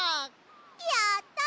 やった！